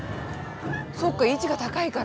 そうか位置が高いから。